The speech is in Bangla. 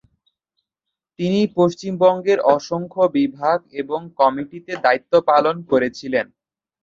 তিনি পশ্চিমবঙ্গের অসংখ্য বিভাগ এবং কমিটিতে দায়িত্ব পালন করেছিলেন।